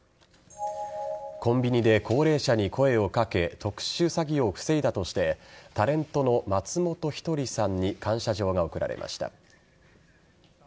コンビニで高齢者に声を掛け特殊詐欺を防いだとしてタレントの松本一人さんに感謝状が贈られました。